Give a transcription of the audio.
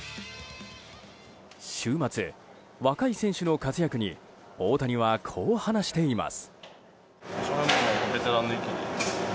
週末、若い選手の活躍に大谷はこう話しています。